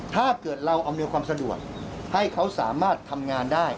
ถ้าเกิดเราอำนวยความสะดวกให้เขาสามารถทำงานได้